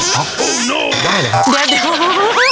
ได้เหรอครับเดี๋ยว